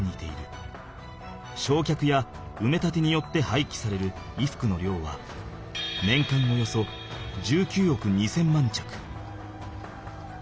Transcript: しょうきゃくやうめ立てによってはいきされる衣服の量は年間およそ１９億２０００万着。